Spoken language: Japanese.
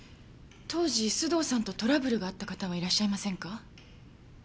当時須藤さんとトラブルがあった方はいらっしゃいませんか？